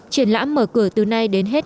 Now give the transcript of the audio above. triển lãm mở cửa từ nay đến hết